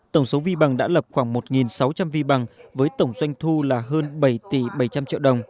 tổng số vi bằng đã lập khoảng một sáu trăm linh vi bằng với tổng doanh thu là hơn bảy tỷ bảy trăm linh triệu đồng